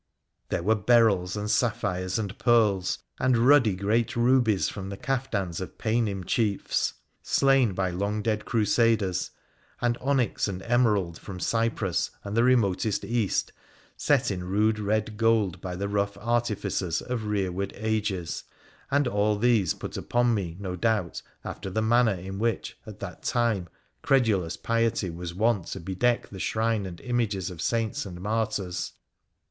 There were beryls and sapphires and pearls, and ruddy great rubies from the caftans of Paynim chiefs slain by long dead Crusaders, and onyx and emerald from Cyprus and the remotest East set in rude red gold by the rough artificers of rearward ages, and all these put upon me, no doubt, after the manner in which at that time credulous 128 WONDERFUL ADVENTURES OF piety was wont to bedeck the shrine and images of saints and martyrs.